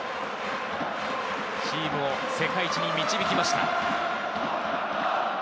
チームを世界一に導きました。